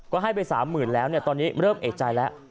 ก็ให้ไป๓๐๐๐แล้วตอนนี้เริ่มเอกใจแล้ว